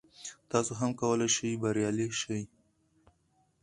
تاسو هم کولای شئ بریالي شئ.